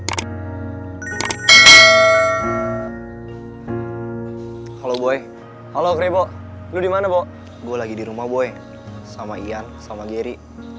kalau boy halo kripo lu dimana bobo lagi di rumah boy sama ian sama geri